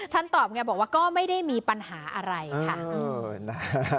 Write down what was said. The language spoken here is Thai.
ตอบไงบอกว่าก็ไม่ได้มีปัญหาอะไรค่ะ